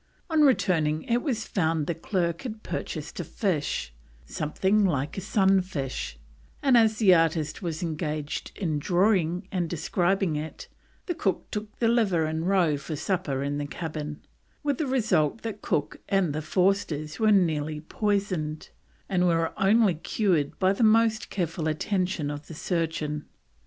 On returning it was found the clerk had purchased a fish, something like a sun fish; and as the artist was engaged in drawing and describing it, the cook took the liver and roe for supper in the cabin, with the result that Cook and the Forsters were nearly poisoned, and were only cured by the most careful attention of the surgeon.